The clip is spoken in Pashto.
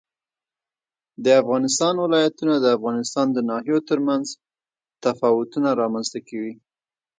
د افغانستان ولايتونه د افغانستان د ناحیو ترمنځ تفاوتونه رامنځ ته کوي.